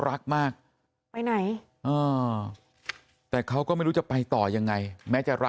รักมากไปไหนแต่เขาก็ไม่รู้จะไปต่อยังไงแม้จะรัก